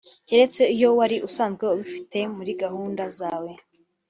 keretse iyo wari usanzwe ubifite muri gahunda zawe